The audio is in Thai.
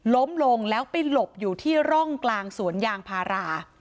ล้มลงแล้วไปหลบอยู่ที่ร่องกลางสวนยางพารา